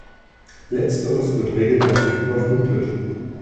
Letzteres wird regelmäßig überflutet.